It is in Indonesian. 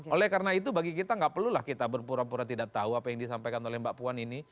oleh karena itu bagi kita nggak perlulah kita berpura pura tidak tahu apa yang disampaikan oleh mbak puan ini